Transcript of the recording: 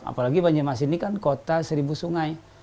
apalagi banyumas ini kan kota seribu sungai